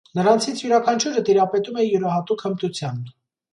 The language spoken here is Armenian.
Նրանցից յուրաքանչյուրը տիրապետում է յուրահատուկ հմտության։